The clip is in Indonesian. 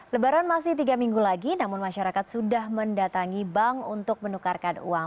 lebaran masih tiga minggu lagi namun masyarakat sudah mendatangi bank untuk menukarkan uang